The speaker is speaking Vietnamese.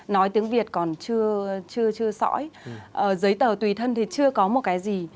nói tiếng việt còn chưa sõi giấy tờ tùy thân thì chưa có một cái gì